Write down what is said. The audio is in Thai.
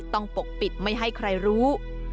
ปกปิดไม่ให้ใครรู้